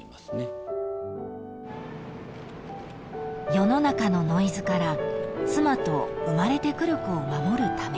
［世の中のノイズから妻と生まれてくる子を守るために］